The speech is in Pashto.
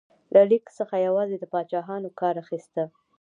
له لیک څخه یوازې پاچاهانو کار اخیسته.